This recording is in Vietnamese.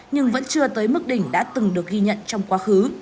nhưng vẫn chưa tới mức đỉnh đã từng được ghi nhận trong quá khứ